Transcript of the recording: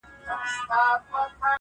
ګدایان پر خزانو سول جاهلان پر منبرونو-